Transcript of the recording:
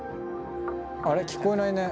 あれ聞こえないね。